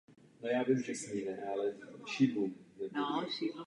Země stále vyjadřuje své přání prohloubit vztah s Evropskou unií.